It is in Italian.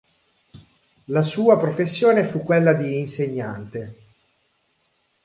La sua professione fu quella di insegnante.